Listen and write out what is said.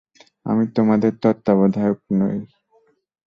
আমি তোমাদের তত্ত্বাবধায়ক নই।